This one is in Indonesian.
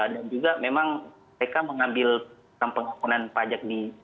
dan juga memang mereka mengambil pengampunan pajak di